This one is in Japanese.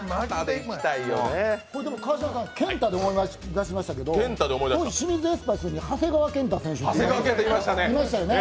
でも川島さん、健太で思い出しましたけれども当時、清水エスパルスに長谷川健太っていましたね。